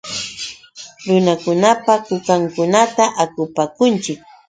Runakunapa kukankunata akupakunchik.